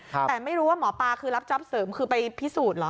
แต่ไม่รู้ว่าหมอปลาคือรับจ๊อปเสริมคือไปพิสูจน์เหรอ